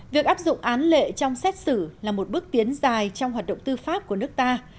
việc áp dụng án lệ trong xét xử là một bước tiến dài trong hoạt động tư pháp của nước ta